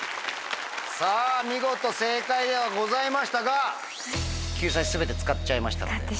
見事正解ではございましたが救済全て使っちゃいましたので。